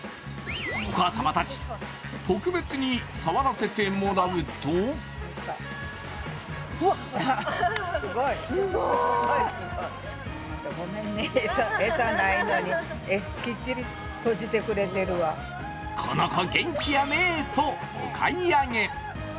お母様たち、特別に触らせてもらうとこの子、元気やねとお買い上げ。